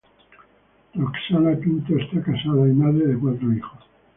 Roxana Pinto es casada y madre de cuatro hijos.